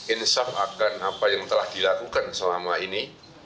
insaf akan apa yang telah dilakukan selama ini